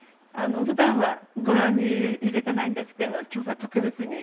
ふだんはご覧に入れてないんですけれども今日は特別に。